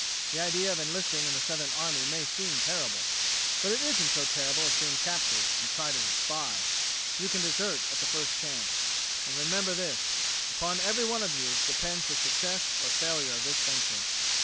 The idea of enlisting in the Southern army may seem terrible, but it isn't so terrible as being captured and tried as a spy. You can desert at the first chance. And remember this: upon every one of you depends the success or failure of this venture."